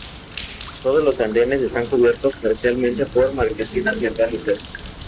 Todos los andenes están cubiertos parcialmente por marquesinas metálicas.